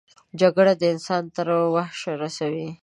جګړه انسان تر وحشه رسوي